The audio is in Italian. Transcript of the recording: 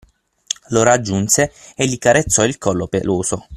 Lo raggiunse e gli carezzò il collo peloso.